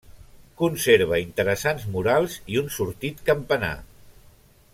Conserva interessants murals i un sortit campanar.